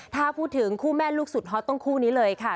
ถ้าพูดถึงคู่แม่ลูกสุดฮอตต้องคู่นี้เลยค่ะ